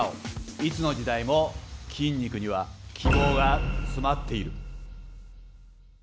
いつの時代も筋肉には希望がつまっている。